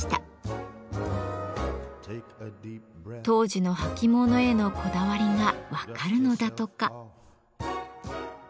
当時の履物へのこだわりが分かるのだとか。